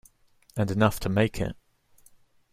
And enough to make it.